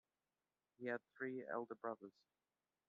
He had three elder brothers.